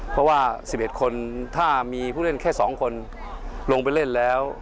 เพราะว่า๑๑คนถ้ามีผู้เล่นแค่๒คนลงไปเล่นแล้ว